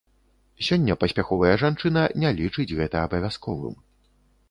Сёння паспяховая жанчына не лічыць гэта абавязковым.